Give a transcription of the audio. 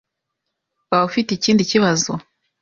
Waba ufite ikindi kibazo?